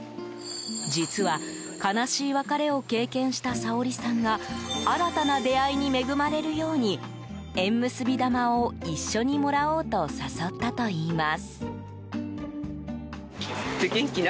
実は、悲しい別れを経験したサオリさんが新たな出会いに恵まれるように縁結び玉を一緒にもらおうと誘ったといいます。